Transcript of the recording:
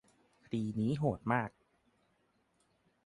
คดีนี้โหดมาก